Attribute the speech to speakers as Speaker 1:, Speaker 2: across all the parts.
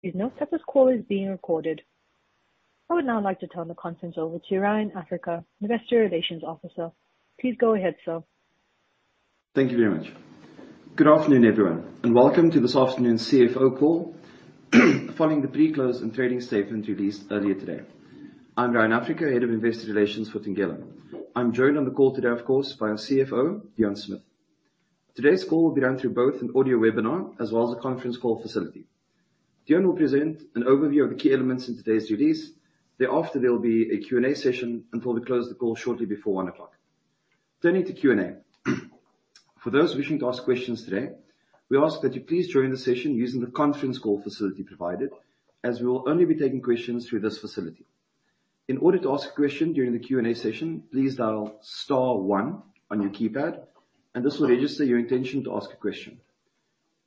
Speaker 1: Please note that this call is being recorded. I would now like to turn the conference over to Ryan Africa, Investor Relations Officer. Please go ahead, sir.
Speaker 2: Thank you very much. Good afternoon, everyone, and welcome to this afternoon's CFO call following the pre-close and trading statement released earlier today. I'm Ryan Africa, Head of Investor Relations for Thungela. I'm joined on the call today, of course, by our CFO, Deon Smith. Today's call will be run through both an audio webinar as well as a conference call facility. Deon will present an overview of the key elements in today's release. Thereafter, there'll be a Q and A session until we close the call shortly before 1:00 PM. Turning to Q and A. For those wishing to ask questions today, we ask that you please join the session using the conference call facility provided, as we will only be taking questions through this facility. In order to ask a question during the Q and A session, please dial star one on your keypad. This will register your intention to ask a question.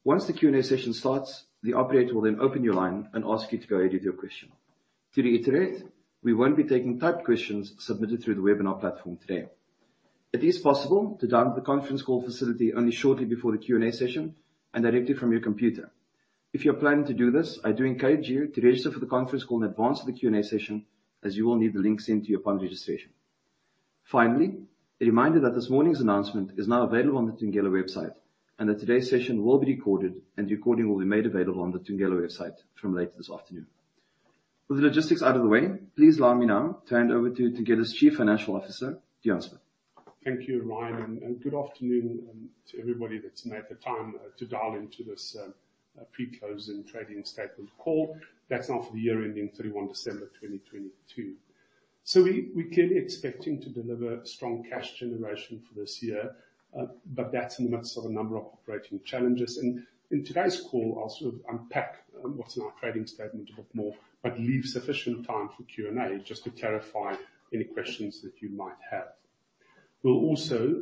Speaker 2: Once the Q and A session starts, the operator will then open your line and ask you to go ahead with your question. To reiterate, we won't be taking typed questions submitted through the webinar platform today. It is possible to dial the conference call facility only shortly before the Q and A session and directly from your computer. If you're planning to do this, I do encourage you to register for the conference call in advance of the Q and A session, as you will need the link sent to you upon registration. Finally, a reminder that this morning's announcement is now available on the Thungela website, and that today's session will be recorded, and the recording will be made available on the Thungela website from later this afternoon. With the logistics out of the way, please allow me now to hand over to Thungela's Chief Financial Officer, Deon Smith.
Speaker 3: Thank you, Ryan, and good afternoon to everybody that's made the time to dial into this pre-closing trading statement call. That's now for the year ending 31 December 2022. We're clearly expecting to deliver strong cash generation for this year, but that's in the midst of a number of operating challenges. In today's call, I'll sort of unpack what's in our trading statement a bit more, but leave sufficient time for Q and A just to clarify any questions that you might have. We'll also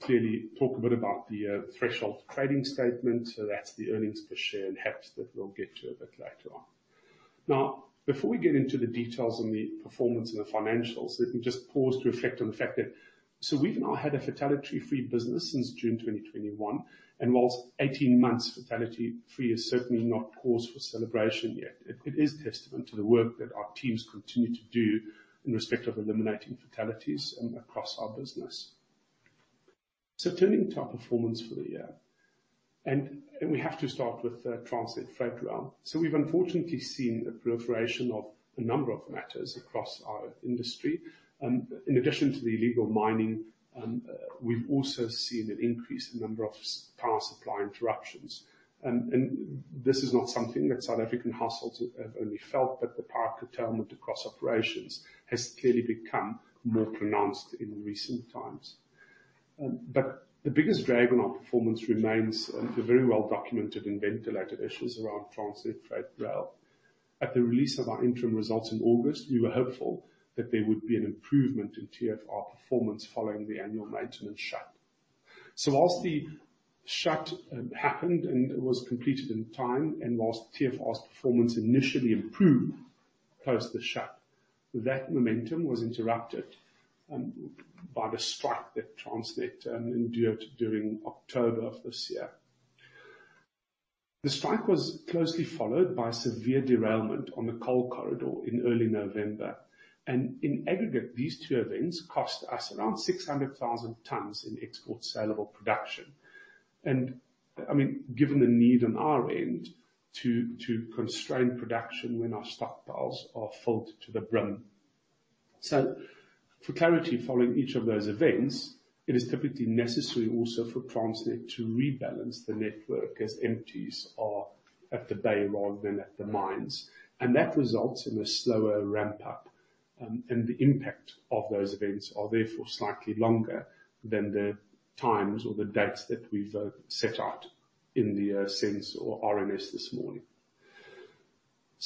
Speaker 3: clearly talk a bit about the threshold trading statement, so that's the earnings per share and HEPS that we'll get to a bit later on. Before we get into the details on the performance and the financials, let me just pause to reflect on the fact that we've now had a fatality-free business since June 2021, and whilst 18 months fatality-free is certainly not cause for celebration yet, it is testament to the work that our teams continue to do in respect of eliminating fatalities across our business. Turning to our performance for the year, and we have to start with Transnet Freight Rail. We've unfortunately seen a proliferation of a number of matters across our industry, in addition to the illegal mining, we've also seen an increase in number of power supply interruptions. And this is not something that South African households have only felt, but the power curtailment across operations has clearly become more pronounced in recent times. The biggest drag on our performance remains, the very well-documented and ventilated issues around Transnet Freight Rail. At the release of our interim results in August, we were hopeful that there would be an improvement in TFR performance following the annual maintenance shut. Whilst the shut happened and it was completed in time, and whilst TFR's performance initially improved post the shut, that momentum was interrupted by the strike that Transnet endured during October of this year. The strike was closely followed by severe derailment on the coal corridor in early November, and in aggregate, these two events cost us around 600,000 tons in export saleable production. I mean, given the need on our end to constrain production when our stockpiles are filled to the brim. For clarity, following each of those events, it is typically necessary also for Transnet to rebalance the network as empties are at the bay rather than at the mines. That results in a slower ramp-up, and the impact of those events are therefore slightly longer than the times or the dates that we've set out in the SENS or RNS this morning.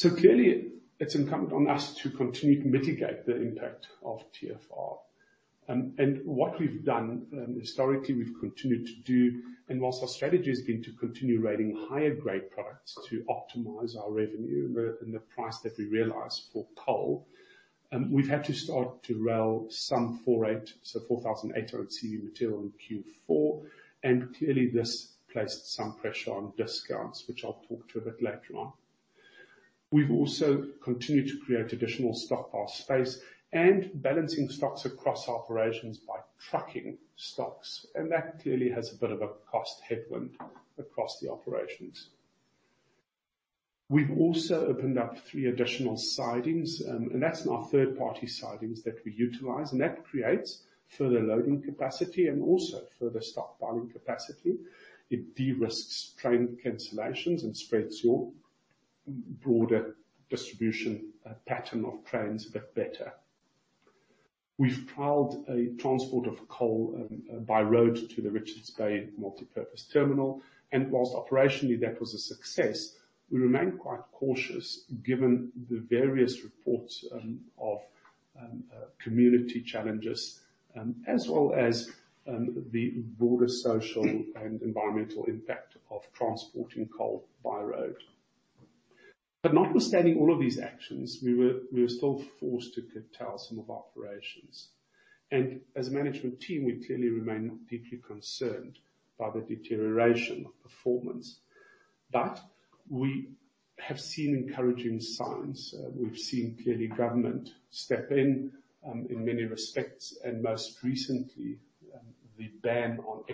Speaker 3: Clearly, it's incumbent on us to continue to mitigate the impact of TFR. What we've done, historically, we've continued to do, and whilst our strategy has been to continue rating higher grade products to optimize our revenue and the price that we realize for coal, we've had to start to rail some 4,800 CV material in Q4. Clearly this placed some pressure on discounts, which I'll talk to a bit later on. We've also continued to create additional stockpile space and balancing stocks across operations by trucking stocks, and that clearly has a bit of a cost headwind across the operations. We've also opened up three additional sidings, and that's in our third-party sidings that we utilize. That creates further loading capacity and also further stockpiling capacity. It de-risks train cancellations and spreads your broader distribution pattern of trains a bit better. We've trialed a transport of coal by road to the Richards Bay Multipurpose Terminal, and whilst operationally that was a success, we remain quite cautious given the various reports of community challenges, as well as the broader social and environmental impact of transporting coal by road. Notwithstanding all of these actions, we were still forced to curtail some of our operations. As a management team, we clearly remain deeply concerned by the deterioration of performance. We have seen encouraging signs. We've seen clearly government step in many respects, and most recently, the ban on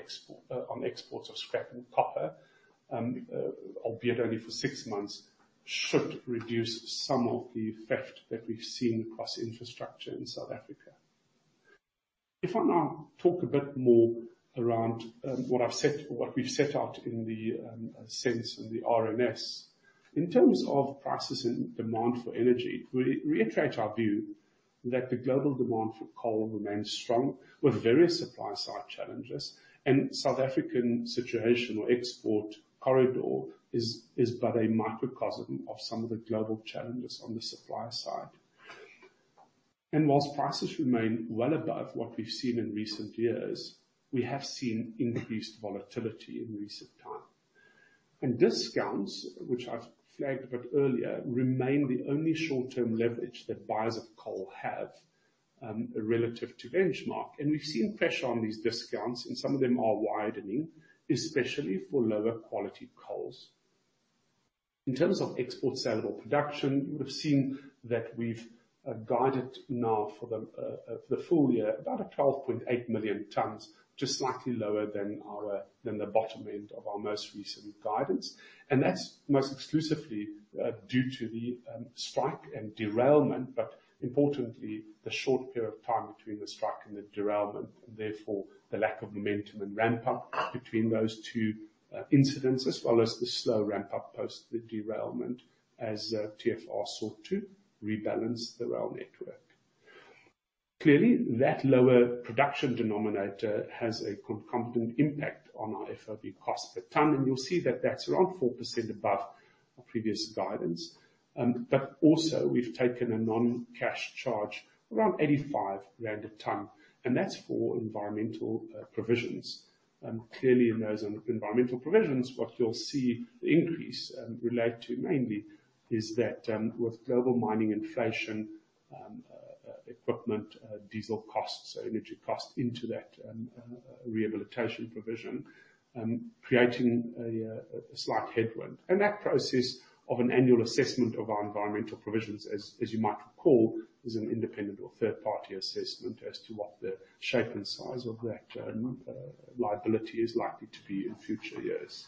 Speaker 3: exports of scrap and copper, albeit only for six months, should reduce some of the effect that we've seen across infrastructure in South Africa. If I now talk a bit more around what we've set out in the SENS in the RNS. In terms of prices and demand for energy, we reiterate our view that the global demand for coal remains strong with various supply side challenges. South African situation or export corridor is but a microcosm of some of the global challenges on the supply side. Whilst prices remain well above what we've seen in recent years, we have seen increased volatility in recent time. Discounts, which I've flagged a bit earlier, remain the only short-term leverage that buyers of coal have relative to benchmark. We've seen pressure on these discounts, and some of them are widening, especially for lower quality coals. In terms of export saleable production, you would've seen that we've guided now for the full year about 12.8 million tons, just slightly lower than our, than the bottom end of our most recent guidance. That's most exclusively due to the strike and derailment, but importantly the short period of time between the strike and the derailment, and therefore the lack of momentum and ramp up between those two incidents, as well as the slow ramp up post the derailment as TFR sought to rebalance the rail network. Clearly, that lower production denominator has a concomitant impact on our FOB cost per ton. You'll see that that's around 4% above our previous guidance. Also we've taken a non-cash charge around 85 rand a ton, and that's for environmental provisions. Clearly in those environmental provisions, what you'll see the increase relate to mainly is that with global mining inflation, equipment, diesel costs, so energy cost into that rehabilitation provision, creating a slight headwind. That process of an annual assessment of our environmental provisions, as you might recall, is an independent or third-party assessment as to what the shape and size of that liability is likely to be in future years.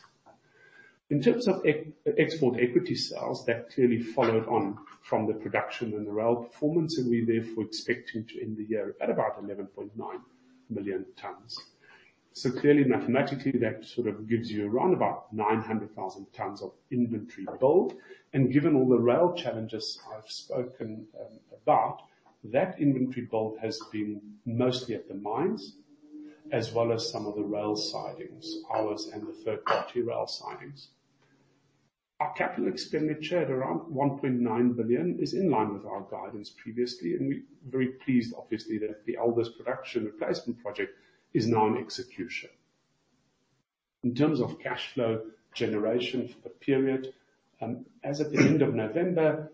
Speaker 3: In terms of ex-export equity sales, that clearly followed on from the production and rail performance, and we're therefore expecting to end the year at about 11.9 million tons. Clearly mathematically that sort of gives you around about 900,000 tons of inventory build. Given all the rail challenges I've spoken about, that inventory build has been mostly at the mines as well as some of the rail sidings, ours and the third-party rail sidings. Our capital expenditure at around 1.9 billion is in line with our guidance previously, we're very pleased obviously that the Elders production replacement project is now in execution. In terms of cash flow generation for the period, as at the end of November,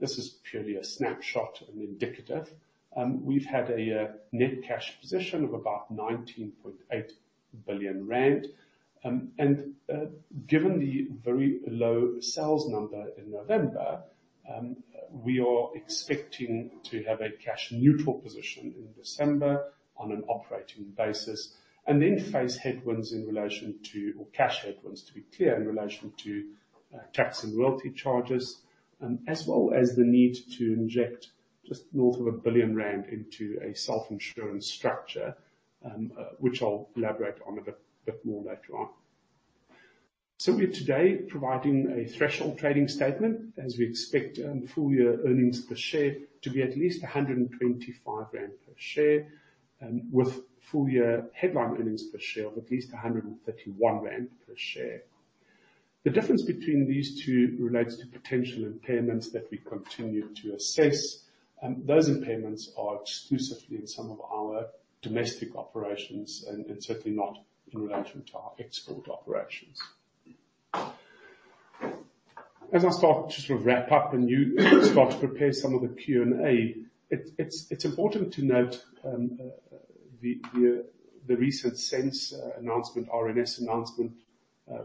Speaker 3: this is purely a snapshot and indicative, we've had a net cash position of about 19.8 billion rand. Given the very low sales number in November, we are expecting to have a cash neutral position in December on an operating basis. Then face headwinds in relation to, or cash headwinds to be clear, in relation to tax and royalty charges, as well as the need to inject just north of 1 billion rand into a self-insurance structure, which I'll elaborate on a bit more later on. We're today providing a threshold trading statement as we expect full year earnings per share to be at least 125 rand per share, with full year headline earnings per share of at least 131 rand per share. The difference between these two relates to potential impairments that we continue to assess. Those impairments are exclusively in some of our domestic operations and certainly not in relation to our export operations. As I start to sort of wrap up and you start to prepare some of the Q and A, it's important to note the recent SENS announcement, RNS announcement,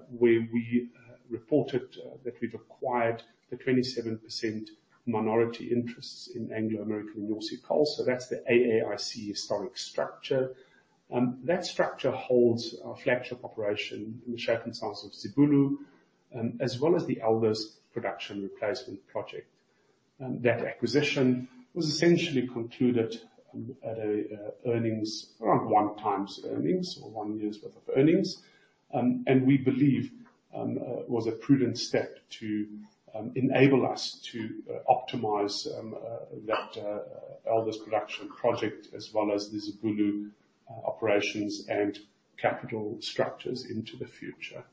Speaker 3: where we reported that we've acquired the 27% minority interests in Anglo American Inyosi Coal. That's the AAIC historic structure. That structure holds our flagship operation in the shape and size of Zibulo, as well as the Elders production replacement project. That acquisition was essentially concluded at a earnings around one times earnings or one years worth of earnings. We believe was a prudent step to enable us to optimize that Elders production project as well as the Zibulo operations and capital structures into the future.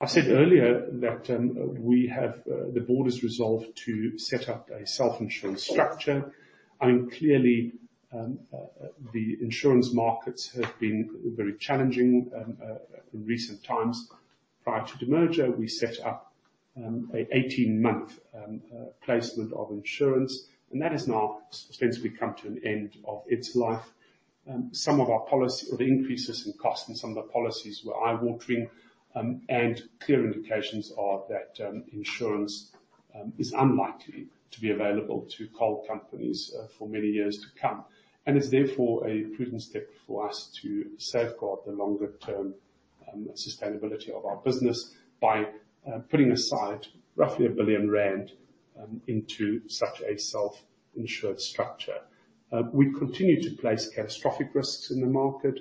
Speaker 3: I said earlier that we have the board is resolved to set up a self-insured structure. Clearly the insurance markets have been very challenging in recent times. Prior to demerger, we set up a 18-month placement of insurance, and that has now ostensibly come to an end of its life. Some of our policy or the increases in cost in some of the policies were eye-watering. Clear indications are that insurance is unlikely to be available to coal companies for many years to come. It's therefore a prudent step for us to safeguard the longer-term sustainability of our business by putting aside roughly 1 billion rand into such a self-insured structure. We continue to place catastrophic risks in the market.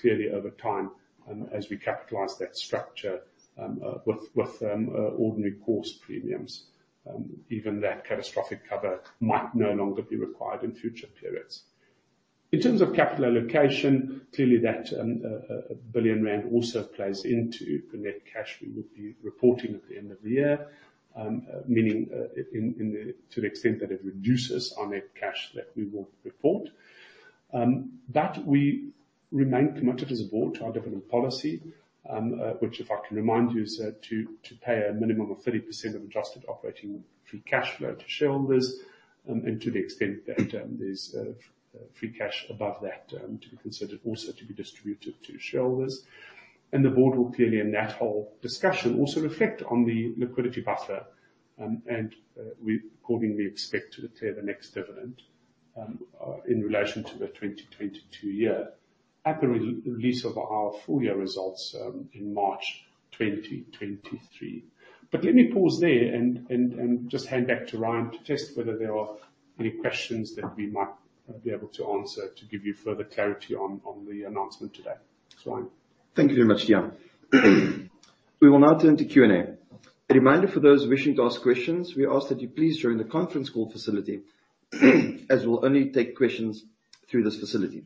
Speaker 3: Clearly over time, as we capitalize that structure, with ordinary course premiums, even that catastrophic cover might no longer be required in future periods. In terms of capital allocation, clearly that, 1 billion rand also plays into the net cash we will be reporting at the end of the year, meaning, to the extent that it reduces our net cash that we will report. That we remain committed as a board to our dividend policy, which if I can remind you, is to pay a minimum of 30% of adjusted operating free cash flow to shareholders, and to the extent that there's free cash above that, to be considered also to be distributed to shareholders. The board will clearly, in that whole discussion, also reflect on the liquidity buffer, and we accordingly expect to declare the next dividend in relation to the 2022 year at the release of our full year results in March 2023. Let me pause there and just hand back to Ryan to test whether there are any questions that we might be able to answer to give you further clarity on the announcement today. Ryan?
Speaker 2: Thank you very much, Deon. We will now turn to Q and A. A reminder for those wishing to ask questions, we ask that you please join the conference call facility, as we'll only take questions through this facility.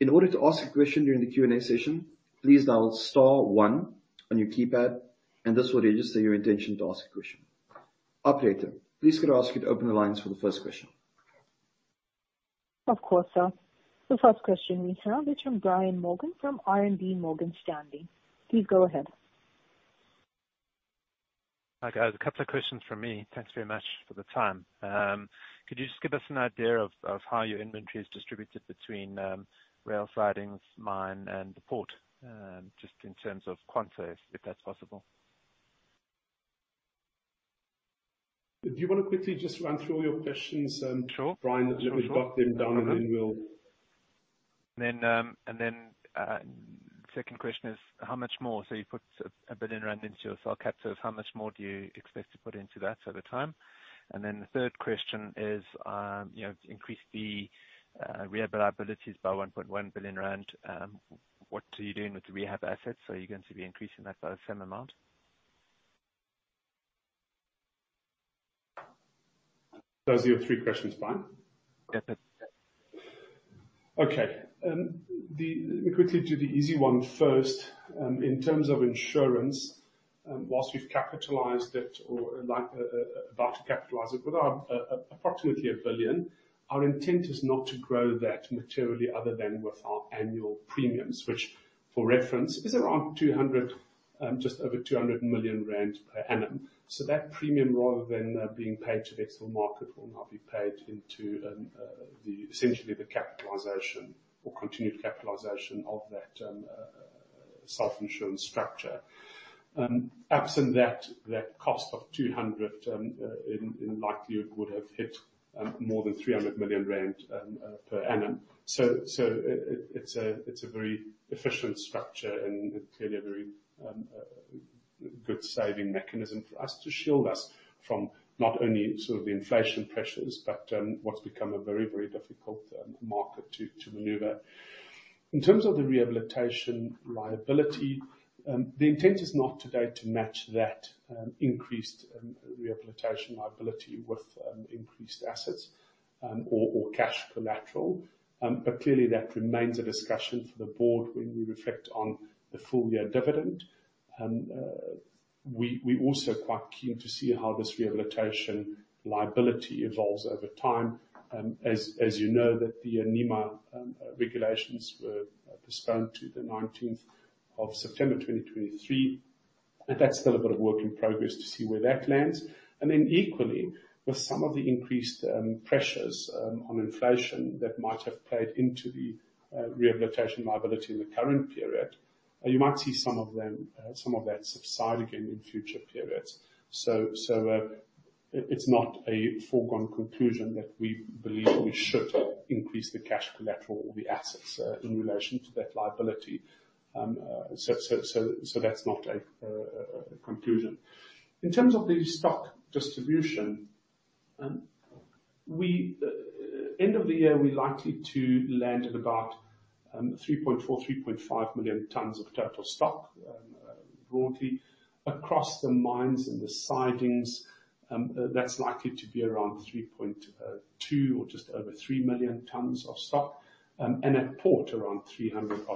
Speaker 2: In order to ask a question during the Q and A session, please dial star one on your keypad, and this will register your intention to ask a question. Operator, please could I ask you to open the lines for the first question.
Speaker 1: Of course, sir. The first question we turn over to Brian Morgan from RMB Morgan Stanley. Please go ahead.
Speaker 4: Hi, guys. A couple of questions from me. Thanks very much for the time. Could you just give us an idea of how your inventory is distributed between rail sidings, mine, and the port, just in terms of quanta, if that's possible.
Speaker 3: Do you wanna quickly just run through all your questions?
Speaker 4: Sure.
Speaker 3: Brian? Just so we've got them down, and then we'll-
Speaker 4: Second question is how much more? You put 1 billion rand into your Stay-in-business capital, how much more do you expect to put into that over time? The third question is, you have increased the rehab liabilities by 1.1 billion rand. What are you doing with the rehab assets? Are you going to be increasing that by the same amount?
Speaker 3: Those are your three questions, Brian?
Speaker 4: Yes.
Speaker 3: Okay. Let me quickly do the easy one first. In terms of insurance, whilst we've capitalized it or like, about to capitalize it with our approximately a billion, our intent is not to grow that materially other than with our annual premiums. Which for reference is around 200, wust over 200 million rand per annum. So that premium, rather than being paid to the external market, will now be paid into the essentially the capitalization or continued capitalization of that self-insurance structure. Absent that cost of 200, in likelihood would have hit more than 300 million rand per annum. It's a very efficient structure and clearly a very good saving mechanism for us to shield us from not only sort of the inflation pressures, but what's become a very difficult market to maneuver. In terms of the rehabilitation liability, the intent is not today to match that increased rehabilitation liability with increased assets or cash collateral. Clearly that remains a discussion for the board when we reflect on the full year dividend. We also are quite keen to see how this rehabilitation liability evolves over time. As you know, that the NEMA regulations were postponed to the 19th of September 2023, and that's still a bit of work in progress to see where that lands. Equally, with some of the increased pressures on inflation that might have played into the rehabilitation liability in the current period, you might see some of them, some of that subside again in future periods. It's not a foregone conclusion that we believe we should increase the cash collateral or the assets in relation to that liability. That's not a conclusion. In terms of the stock distribution, we end of the year, we're likely to land at about 3.4-3.5 million tons of total stock, broadly. Across the mines and the sidings, that's likely to be around 3.2 or just over 3 million tons of stock, and at port, around 300,000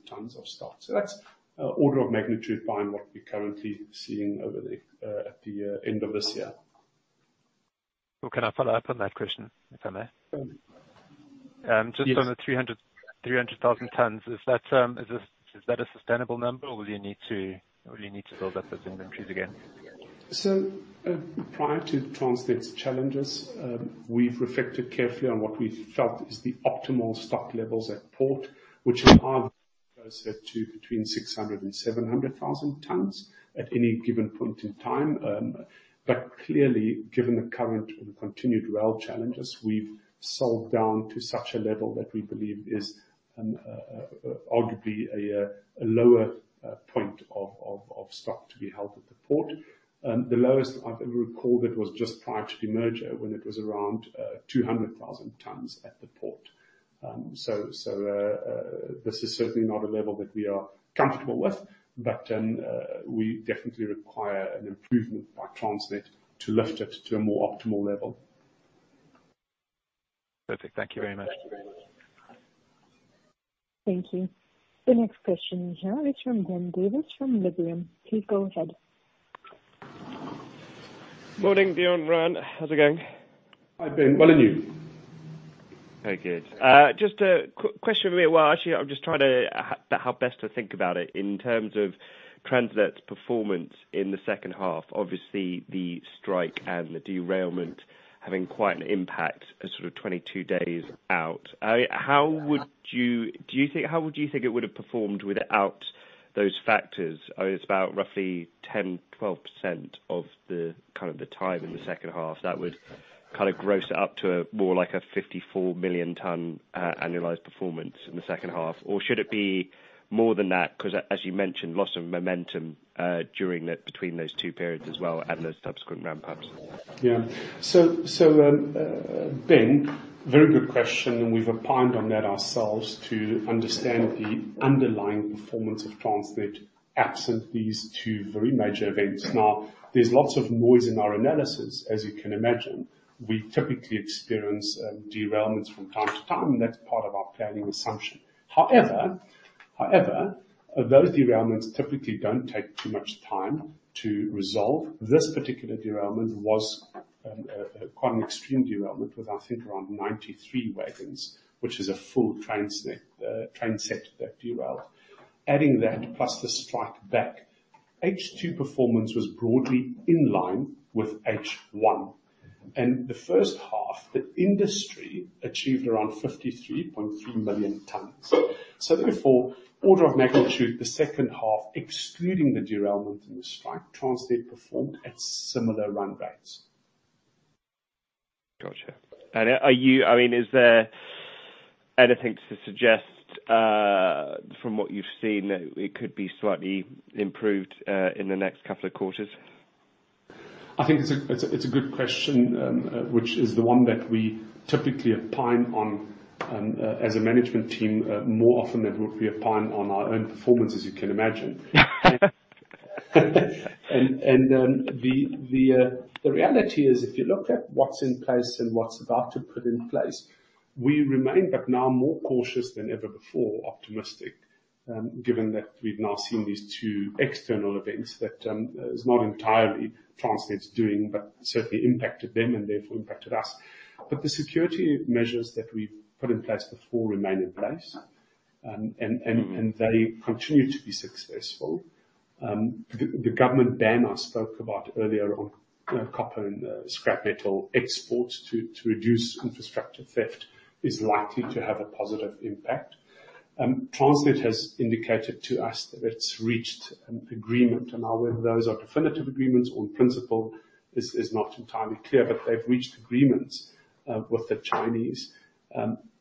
Speaker 3: odd tons of stock. That's, order of magnitude behind what we're currently seeing over the, at the, end of this year.
Speaker 4: Well, can I follow up on that question, if I may?
Speaker 3: Um.
Speaker 4: Just on the 300,000 tons, is this, is that a sustainable number, or will you need to build up those inventories again?
Speaker 3: Prior to Transnet's challenges, we've reflected carefully on what we felt is the optimal stock levels at port, which are closer to between 600,000-700,000 tons at any given point in time. Clearly, given the current and continued rail challenges, we've sold down to such a level that we believe is arguably a lower point of stock to be held at the port. The lowest I've ever recorded was just prior to the merger, when it was around 200,000 tons at the port. This is certainly not a level that we are comfortable with, we definitely require an improvement by Transnet to lift it to a more optimal level.
Speaker 4: Perfect. Thank you very much.
Speaker 1: Thank you. The next question here is from Ben Davis from Liberum. Please go ahead.
Speaker 5: Morning, Deon, Ryan. How's it going?
Speaker 3: Hi, Ben. Well, you?
Speaker 5: Very good. Just a question really. Well, actually, I'm just trying to how best to think about it. In terms of Transnet's performance in the second half, obviously the strike and the derailment having quite an impact as sort of 22 days out. How would you think it would have performed without those factors? It's about roughly 10, 12% of the, kind of the time in the second half that would kind of gross it up to more like a 54 million ton, annualized performance in the second half. Or should it be more than that? 'Cause as you mentioned, loss of momentum, during the, between those two periods as well, and those subsequent ramp ups.
Speaker 3: Ben, very good question, and we've opined on that ourselves to understand the underlying performance of Transnet absent these two very major events. There's lots of noise in our analysis, as you can imagine. We typically experience derailments from time to time. That's part of our planning assumption. However, those derailments typically don't take too much time to resolve. This particular derailment was quite an extreme derailment with, I think, around 93 wagons, which is a full Transnet train set that derailed. Adding that plus the strike back, H2 performance was broadly in line with H1. The first half, the industry achieved around 53.3 million tons. Therefore, order of magnitude, the second half, excluding the derailment and the strike, Transnet performed at similar run rates.
Speaker 5: Gotcha. Are you, I mean, is there anything to suggest, from what you've seen that it could be slightly improved, in the next couple of quarters?
Speaker 3: I think it's a good question, which is the one that we typically opine on, as a management team, more often than we opine on our own performance, as you can imagine. The reality is, if you look at what's in place and what's about to put in place, we remain, but now more cautious than ever before, optimistic, given that we've now seen these two external events that is not entirely Transnet's doing, but certainly impacted them and therefore impacted us. The security measures that we've put in place before remain in place. They continue to be successful. The government ban I spoke about earlier on, copper and scrap metal exports to reduce infrastructure theft is likely to have a positive impact. Transnet has indicated to us that it's reached an agreement. Now whether those are definitive agreements or in principle is not entirely clear. They've reached agreements with the Chinese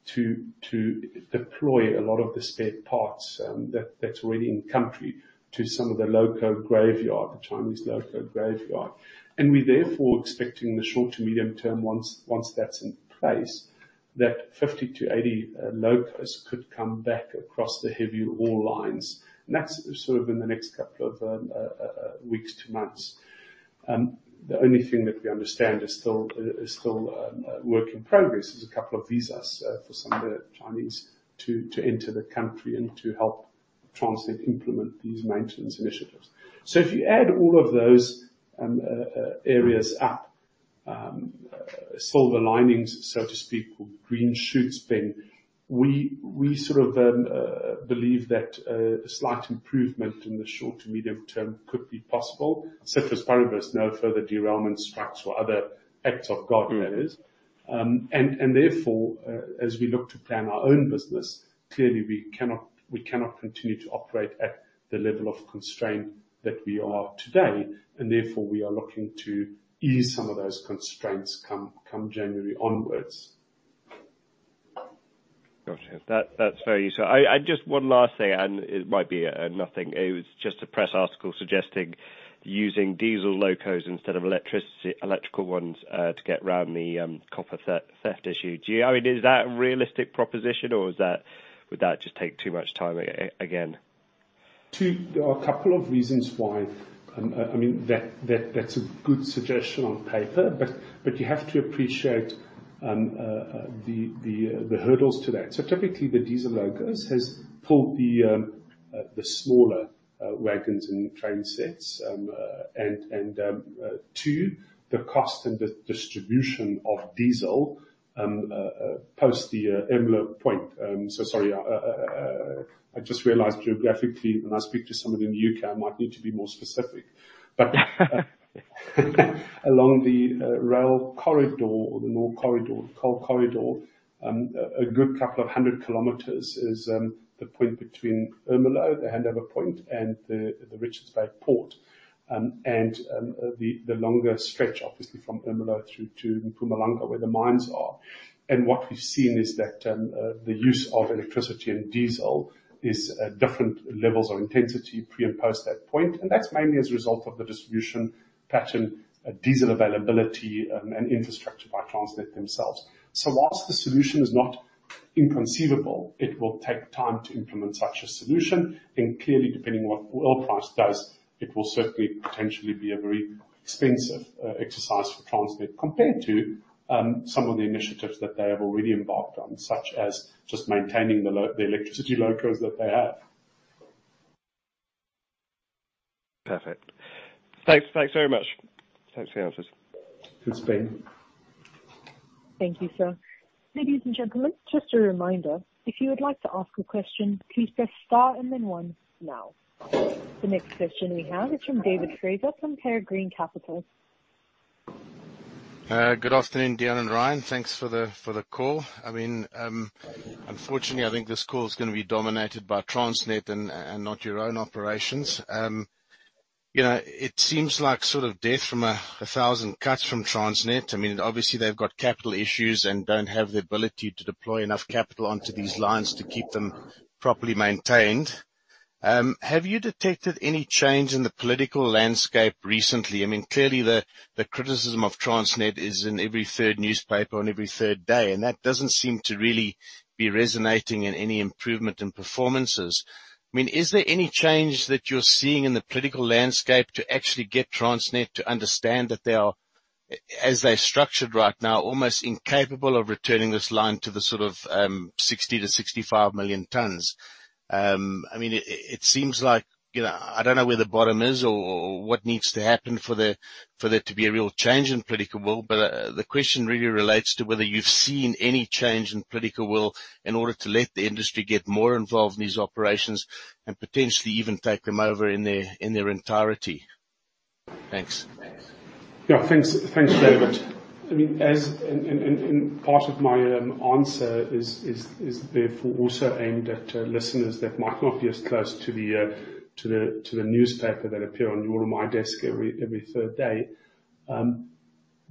Speaker 3: to deploy a lot of the spare parts that's already in country to some of the loco graveyard, the Chinese loco graveyard. We're therefore expecting the short to medium term, once that's in place, that 50-80 locos could come back across the heavy haul lines. That's sort of in the next couple of weeks to months. The only thing that we understand is still a work in progress. There's a couple of visas for some of the Chinese to enter the country and to help Transnet implement these maintenance initiatives. If you add all of those areas up, silver linings, so to speak, or green shoots, Ben, we sort of believe that a slight improvement in the short to medium term could be possible, so far there's no further derailment, strikes or other acts of God, that is. Therefore, as we look to plan our own business, clearly we cannot continue to operate at the level of constraint that we are today. Therefore, we are looking to ease some of those constraints come January onwards.
Speaker 5: Gotcha. That's very useful. I just one last thing. It might be nothing. It was just a press article suggesting using diesel locos instead of electrical ones, to get round the copper theft issue. I mean, is that a realistic proposition or would that just take too much time again?
Speaker 3: Two, there are a couple of reasons why. I mean that, that's a good suggestion on paper, but you have to appreciate the hurdles to that. Typically, the diesel locos has pulled the smaller wagons and train sets. And two, the cost and the distribution of diesel post the Ermelo point. Sorry, I just realized geographically, when I speak to somebody in the U.K., I might need to be more specific. Along the rail corridor or the north corridor, the coal corridor, a good couple of 100 kilometers is the point between Ermelo, the Handover Point, and the Richards Bay Port. The longer stretch, obviously from Ermelo through to Mpumalanga, where the mines are. What we've seen is that the use of electricity and diesel is at different levels of intensity pre and post that point. That's mainly as a result of the distribution pattern, diesel availability, and infrastructure by Transnet themselves. Whilst the solution is not inconceivable, it will take time to implement such a solution. Clearly, depending what oil price does, it will certainly potentially be a very expensive exercise for Transnet, compared to some of the initiatives that they have already embarked on, such as just maintaining the electricity locos that they have.
Speaker 5: Perfect. Thanks. Thanks very much. Thanks for your answers.
Speaker 3: Pleasure.
Speaker 1: Thank you, sir. Ladies and gentlemen, just a reminder, if you would like to ask a question, please press star and then one now. The next question we have is from David Fraser from Peregrine Capital.
Speaker 6: Good afternoon, Deon and Ryan. Thanks for the, for the call. I mean, unfortunately, I think this call is gonna be dominated by Transnet and not your own operations. You know, it seems like sort of death from a thousand cuts from Transnet. I mean, obviously they've got capital issues and don't have the ability to deploy enough capital onto these lines to keep them properly maintained. Have you detected any change in the political landscape recently? I mean, clearly the criticism of Transnet is in every third newspaper on every third day. That doesn't seem to really be resonating in any improvement in performances. I mean, is there any change that you're seeing in the political landscape to actually get Transnet to understand that they are, as they're structured right now, almost incapable of returning this line to the sort of, 60 to 65 million tons? I mean, it seems like, you know, I don't know where the bottom is or what needs to happen for there to be a real change in political will, but the question really relates to whether you've seen any change in political will in order to let the industry get more involved in these operations and potentially even take them over in their entirety. Thanks.
Speaker 3: Yeah. Thanks. Thanks, David. I mean, as and part of my answer is therefore also aimed at listeners that might not be as close to the newspaper that appear on your or my desk every third day.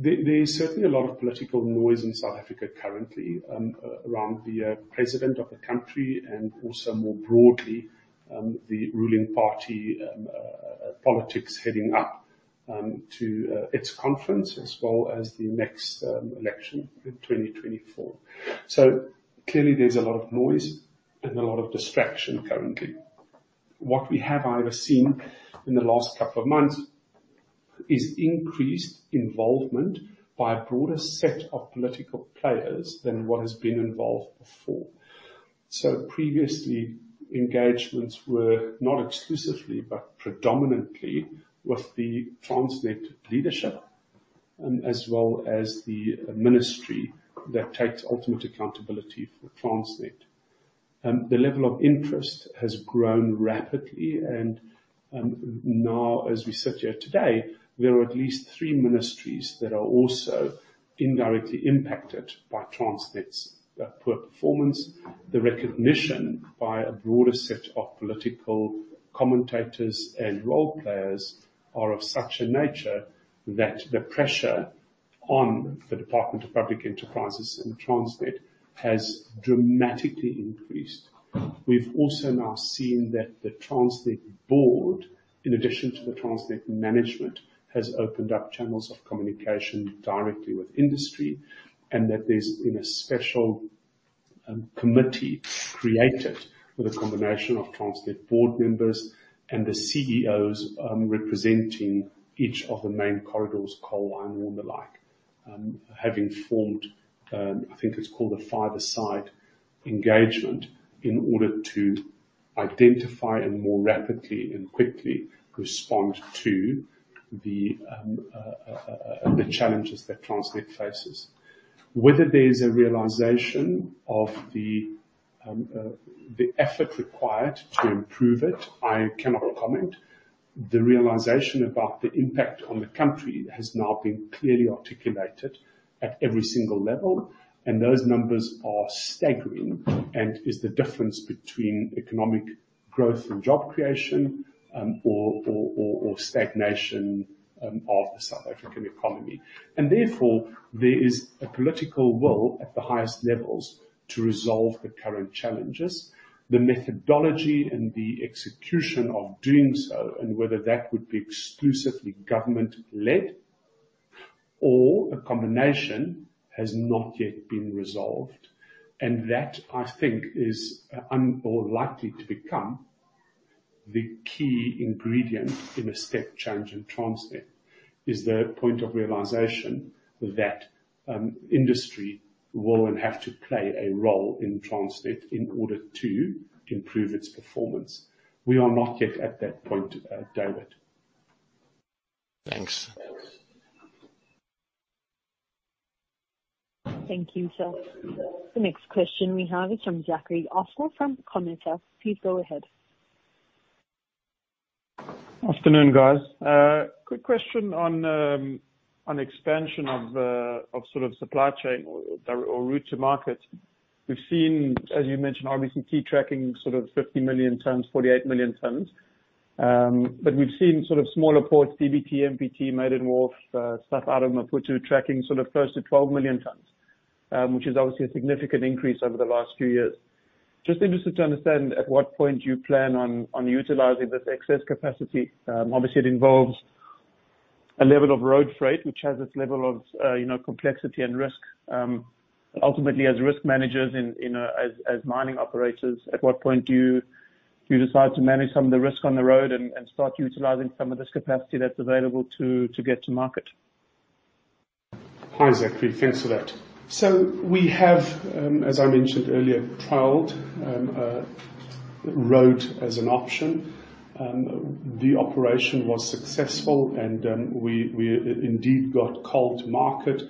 Speaker 3: There is certainly a lot of political noise in South Africa currently, around the president of the country and also more broadly, the ruling party politics heading up to its conference, as well as the next election in 2024. Clearly there's a lot of noise and a lot of distraction currently. What we have, however, seen in the last couple of months is increased involvement by a broader set of political players than what has been involved before. Previously, engagements were not exclusively, but predominantly with the Transnet leadership, as well as the ministry that takes ultimate accountability for Transnet. The level of interest has grown rapidly, and now as we sit here today, there are at least three ministries that are also indirectly impacted by Transnet's poor performance. The recognition by a broader set of political commentators and role players are of such a nature that the pressure on the Department of Public Enterprises and Transnet has dramatically increased. We've also now seen that the Transnet board, in addition to the Transnet management, has opened up channels of communication directly with industry, and that there's been a special committee created with a combination of Transnet board members and the CEOs representing each of the main corridors, coal, iron ore and the like, having formed, I think it's called a five-aside engagement in order to identify and more rapidly and quickly respond to the challenges that Transnet faces. Whether there's a realization of the effort required to improve it, I cannot comment. The realization about the impact on the country has now been clearly articulated at every single level, and those numbers are staggering and is the difference between economic growth and job creation, or stagnation of the South African economy. Therefore, there is a political will at the highest levels to resolve the current challenges. The methodology and the execution of doing so, and whether that would be exclusively government-led or a combination has not yet been resolved, and that, I think, is unlikely to become the key ingredient in a step change in Transnet, is the point of realization that industry will and have to play a role in Transnet in order to improve its performance. We are not yet at that point, David.
Speaker 6: Thanks.
Speaker 1: Thank you, sir. The next question we have is from Zachary Olszonowicz from Camissa. Please go ahead.
Speaker 7: Afternoon, guys. Quick question on expansion of sort of supply chain or route to market. We've seen, as you mentioned, obviously, key tracking sort of 50 million tons, 48 million tons. We've seen sort of smaller ports, CBT, MPT, Main Wharf, South Harbour, Maputo, tracking sort of close to 12 million tons, which is obviously a significant increase over the last few years. Just interested to understand at what point do you plan on utilizing this excess capacity? Obviously it involves a level of road freight, which has its level of, you know, complexity and risk. Ultimately as risk managers as mining operators, at what point do you decide to manage some of the risk on the road and start utilizing some of this capacity that's available to get to market?
Speaker 3: Hi, Zachary. Thanks for that. We have, as I mentioned earlier, trialed road as an option. The operation was successful and we indeed got coal to market.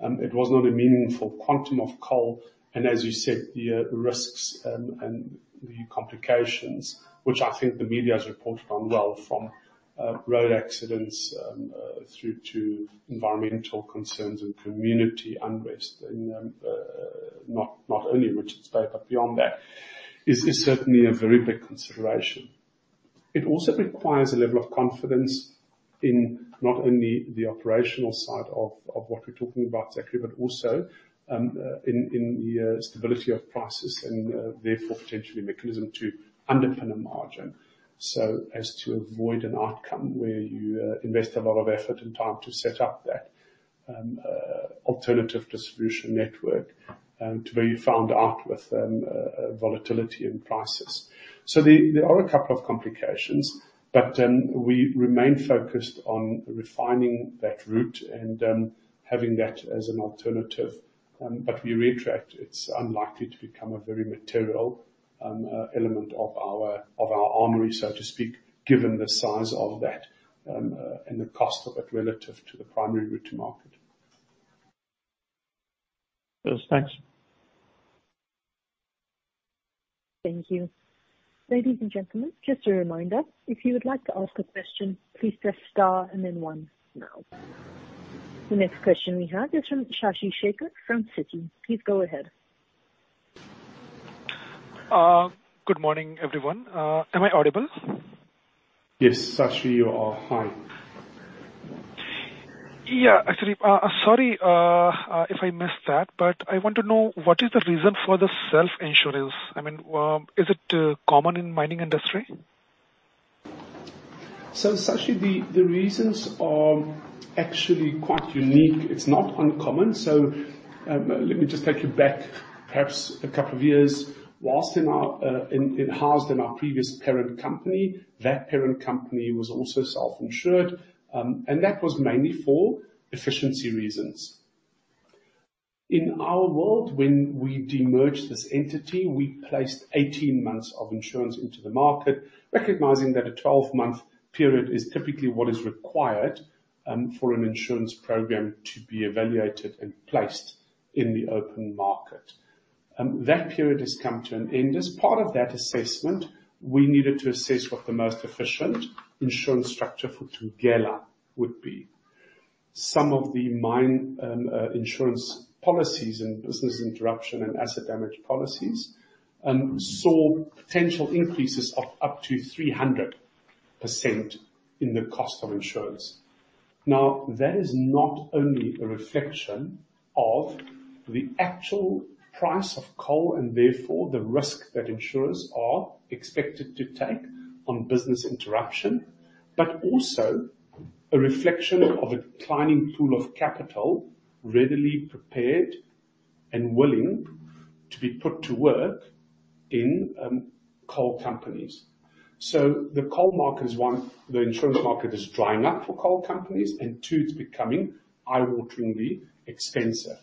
Speaker 3: It was not a meaningful quantum of coal, and as you said, the risks and the complications, which I think the media's reported on well from road accidents, through to environmental concerns and community unrest in not only Richards Bay, but beyond that is certainly a very big consideration. It also requires a level of confidence in not only the operational side of what we're talking about, Zachary, but also in the stability of prices and therefore potentially mechanism to underpin a margin so as to avoid an outcome where you invest a lot of effort and time to set up that alternative distribution network to where you found out with volatility in prices. There, there are a couple of complications, but we remain focused on refining that route and having that as an alternative. We retract. It's unlikely to become a very material element of our armory, so to speak, given the size of that and the cost of it relative to the primary route to market.
Speaker 7: Cheers. Thanks.
Speaker 1: Thank you. Ladies and gentlemen, just a reminder, if you would like to ask a question, please press star and then one now. The next question we have is from Shashi Shekhar from Citi. Please go ahead.
Speaker 8: Good morning, everyone. Am I audible?
Speaker 3: Yes, Shashi, you are fine.
Speaker 8: Yeah. Actually, sorry, if I missed that, but I want to know what is the reason for the self-insurance? I mean, is it common in mining industry?
Speaker 3: Shashi, the reasons are actually quite unique. It's not uncommon. Let me just take you back perhaps a couple of years. Whilst in our, it housed in our previous parent company, that parent company was also self-insured, and that was mainly for efficiency reasons. In our world, when we demerged this entity, we placed 18 months of insurance into the market, recognizing that a 12-month period is typically what is required for an insurance program to be evaluated and placed in the open market. That period has come to an end. As part of that assessment, we needed to assess what the most efficient insurance structure for Thungela would be. Some of the mine insurance policies and business interruption and asset damage policies saw potential increases of up to 300% in the cost of insurance. That is not only a reflection of the actual price of coal, and therefore the risk that insurers are expected to take on business interruption, but also a reflection of a declining pool of capital readily prepared and willing to be put to work in coal companies. The coal market is one the insurance market is drying up for coal companies, and two, it's becoming eye-wateringly expensive.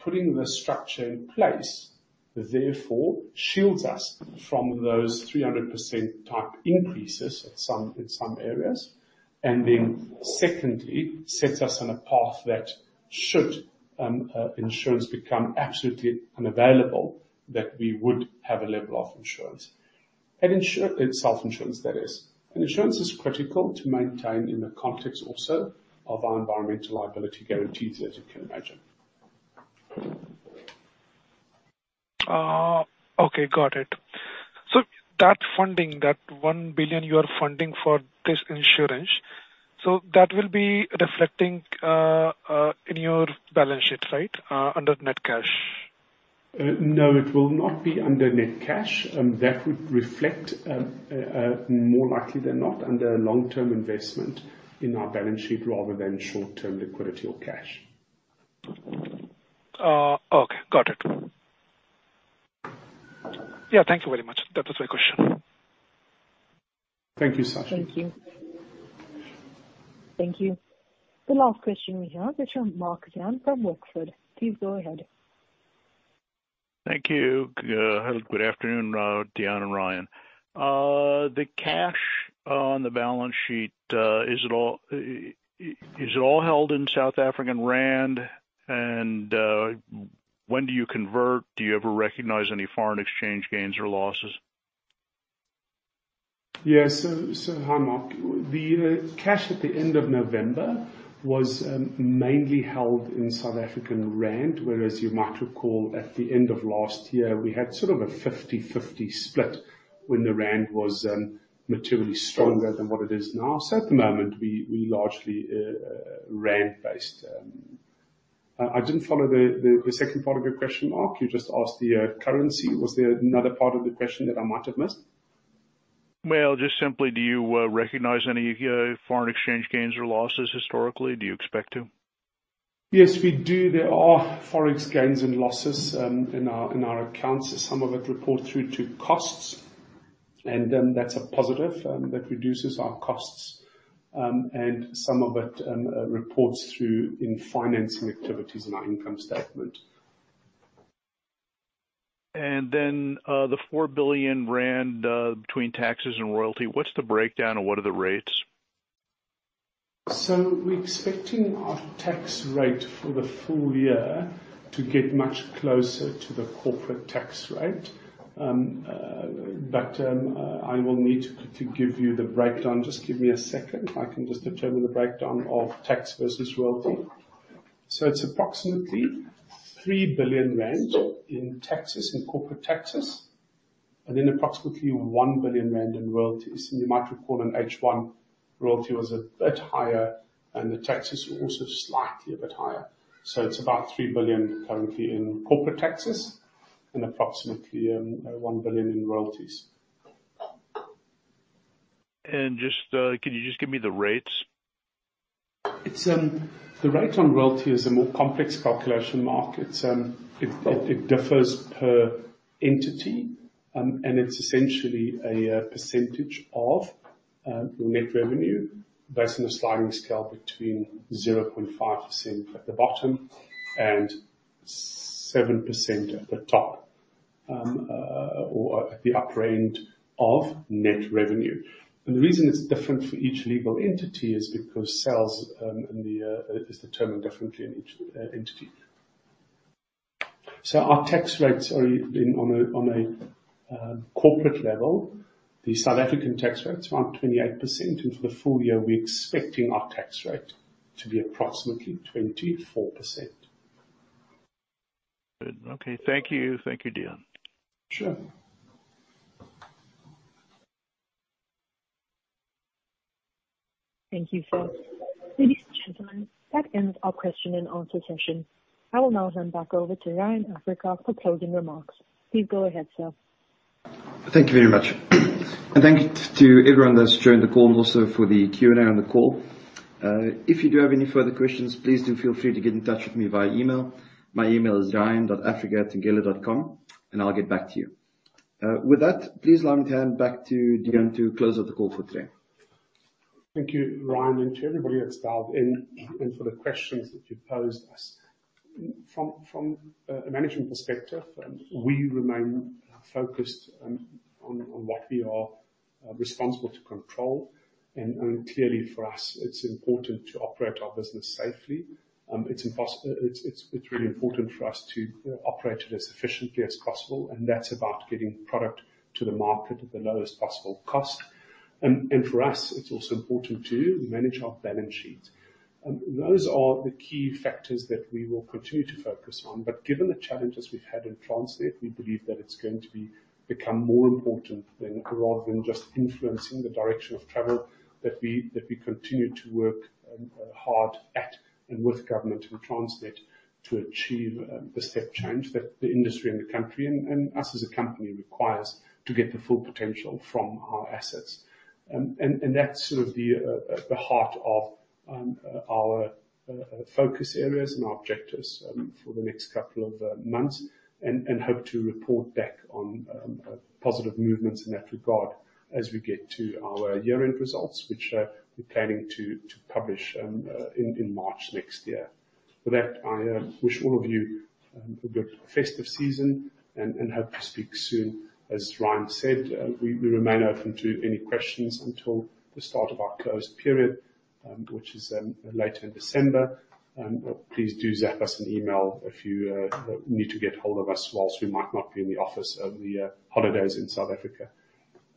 Speaker 3: Putting this structure in place therefore shields us from those 300% type increases at some in some areas. Secondly, sets us on a path that should insurance become absolutely unavailable, that we would have a level of insurance. Self-insurance that is. Insurance is critical to maintain in the context also of our environmental liability guarantees, as you can imagine.
Speaker 8: Okay. Got it. That funding, that 1 billion you are funding for this insurance, so that will be reflecting in your balance sheet, right? Under net cash.
Speaker 3: No, it will not be under net cash. That would reflect, more likely than not under long-term investment in our balance sheet rather than short-term liquidity or cash.
Speaker 8: Okay. Got it. Yeah, thank you very much. That was my question.
Speaker 3: Thank you, Sashi.
Speaker 1: Thank you. Thank you. The last question we have is from Mark Van Den Berg from Woodford. Please go ahead.
Speaker 9: Thank you. Good afternoon, Deon and Ryan. The cash on the balance sheet, is it all held in South African rand and, when do you convert, do you ever recognize any foreign exchange gains or losses?
Speaker 3: Yes. Hi, Mark. The cash at the end of November was mainly held in South African rand, whereas you might recall at the end of last year, we had sort of a 50/50 split when the rand was materially stronger than what it is now. At the moment, we largely rand-based. I didn't follow the second part of your question, Mark. You just asked the currency. Was there another part of the question that I might have missed?
Speaker 9: Well, just simply do you recognize any foreign exchange gains or losses historically? Do you expect to?
Speaker 3: Yes, we do. There are forex gains and losses, in our, in our accounts. Some of it reports through to costs, that's a positive, that reduces our costs. Some of it reports through in financing activities in our income statement.
Speaker 9: The 4 billion rand, between taxes and royalty, what's the breakdown and what are the rates?
Speaker 3: We're expecting our tax rate for the full year to get much closer to the corporate tax rate. I will need to give you the breakdown. Just give me a second. I can just determine the breakdown of tax versus royalty. It's approximately 3 billion rand in taxes, in corporate taxes, and then approximately 1 billion rand in royalties. You might recall in H1, royalty was a bit higher, and the taxes were also slightly a bit higher. It's about 3 billion currently in corporate taxes and approximately 1 billion in royalties.
Speaker 9: Just, can you just give me the rates?
Speaker 3: It's the rate on royalty is a more complex calculation, Mark. It's it differs per entity. It's essentially a percentage of your net revenue based on a sliding scale between 0.5% at the bottom and 7% at the top or at the upper end of net revenue. The reason it's different for each legal entity is because sales in the is determined differently in each entity. Our tax rates are in on a corporate level. The South African tax rate's around 28%. For the full year, we're expecting our tax rate to be approximately 24%.
Speaker 9: Good. Okay. Thank you. Thank you, Deon.
Speaker 3: Sure.
Speaker 1: Thank you, sir. Ladies and gentlemen, that ends our question and answer session. I will now hand back over to Ryan Africa for closing remarks. Please go ahead, sir.
Speaker 2: Thank you very much. Thank you to everyone that's joined the call and also for the Q and A on the call. If you do have any further questions, please do feel free to get in touch with me via email. My email is ryan.africa@thungela.com, and I'll get back to you. With that, please allow me to hand back to Deon to close out the call for today.
Speaker 3: Thank you, Ryan, to everybody that's dialed in, and for the questions that you posed us. From a management perspective, we remain focused on what we are responsible to control. Clearly for us, it's important to operate our business safely. It's really important for us to operate it as efficiently as possible, and that's about getting product to the market at the lowest possible cost. For us, it's also important to manage our balance sheet. Those are the key factors that we will continue to focus on. Given the challenges we've had in Transnet, we believe that it's going to become more important than rather than just influencing the direction of travel that we continue to work hard at and with government and Transnet to achieve the step change that the industry and the country and us as a company requires to get the full potential from our assets. And that's sort of the heart of our focus areas and our objectives for the next couple of months and hope to report back on positive movements in that regard as we get to our year-end results, which we're planning to publish in March next year. For that, I wish all of you a good festive season and hope to speak soon. As Ryan said, we remain open to any questions until the start of our closed period, which is later in December. Please do zap us an email if you need to get hold of us whilst we might not be in the office over the holidays in South Africa.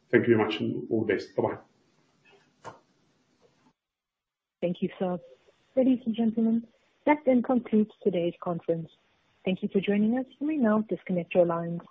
Speaker 3: Thank you very much, and all the best. Bye-bye.
Speaker 1: Thank you, sir. Ladies and gentlemen, that then concludes today's conference. Thank you for joining us. You may now disconnect your lines.